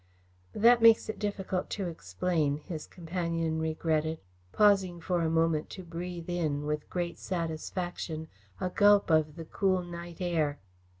"That makes it difficult to explain," his companion regretted, pausing for a moment to breathe in, with great satisfaction, a gulp of the cool night air.